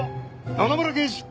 野々村刑事！